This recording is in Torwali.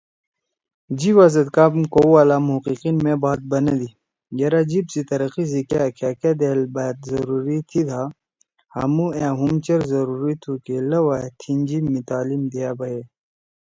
جیِبا زید کام کؤ والا محقیقین مے بات بنَدی یرأ جیِب سی ترقی سی کیا کھأکأ دأل بأت ضروری تھیِدا ہامُو أ ہُم چیر ضروری تُھو کہ لؤا ئے تھیِن جیِب می تعلیم دِیا بَیے۔